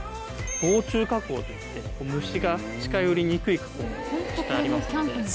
防虫加工といって虫が近寄りにくい加工もしてありますので。